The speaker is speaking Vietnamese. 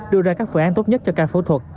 đưa ra các phương án tốt nhất cho ca phẫu thuật